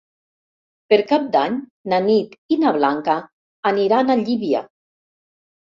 Per Cap d'Any na Nit i na Blanca aniran a Llívia.